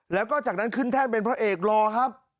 แล้วก็จากนั้นขึ้นแท่นเป็นพระเอกรอครับ